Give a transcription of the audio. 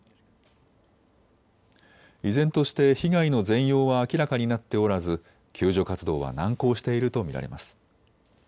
依然として被害の全容は明らかになっておらず救助活動は難航していると見られます。